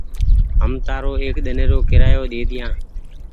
هم تآرو ايڪ ۮن ني رو ڪيرآيو ڏيديا۔